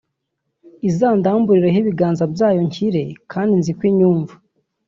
izandamburireho ibiganza byayo nkire kandi nzi ko inyumva”